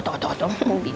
gak ada yang ngengerin